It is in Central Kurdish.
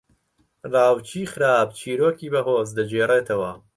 راوچیی خراپ چیرۆکی بەهۆز دەگێڕێتەوە